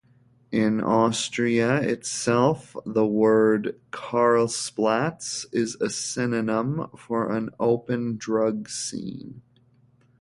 In Austria itself, the word "Karlsplatz" is a synonym for an open drug scene.